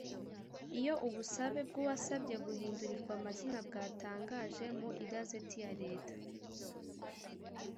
Iyo ubusabe bw’uwasabye guhindurirwa amazina bwatangaje mu igazeti ya Leta